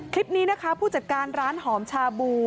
คลิปนี้นะคะผู้จัดการร้านหอมชาบู